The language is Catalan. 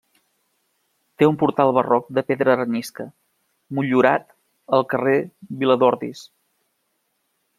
Té un portal barroc de pedra arenisca, motllurat, al carrer Viladordis.